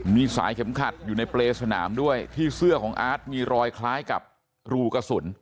มีสายเข็มขัดอยู่ในเปรย์สนามด้วยที่เสื้อของอาร์ตมีรอยคล้ายกับรูกระสุน